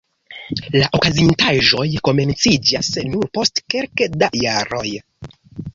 La okazintaĵoj komenciĝas nur post kelke da jaroj.